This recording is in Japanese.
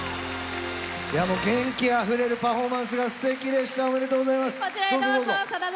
元気あふれるパフォーマンスがすてきでした。